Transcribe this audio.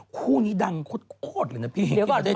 คู่นี้ดังโคตรเลยนะพี่